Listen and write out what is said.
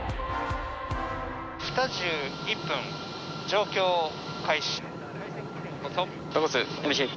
１２時２１分、状況開始。